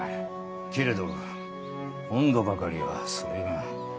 けれど今度ばかりはそれが。